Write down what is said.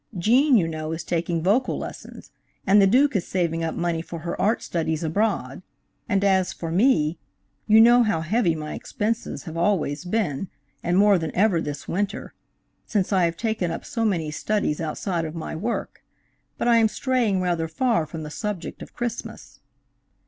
Gene, you know, is taking vocal lessons, and the Duke is saving up money for her art studies abroad, and as for me, you know how heavy my expenses have always been, and more than ever this winter, since I have taken up so many studies outside of my work. But I am straying rather far from the subject of Christmas.